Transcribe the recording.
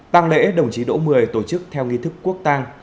tăng lễ đồng chí đỗ mười tổ chức theo nghi thức quốc tàng